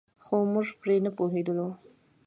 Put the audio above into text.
خو موږ پرې نه پوهېدلو.